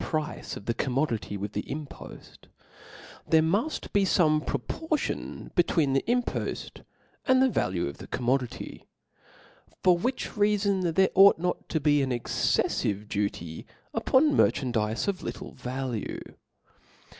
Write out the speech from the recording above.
price of the commodity with the impoft, there muft be feme proportion between the impoft and the value of the commodity ; for which reafon there ought not to be an excefliveduty upon merchandizes of little value.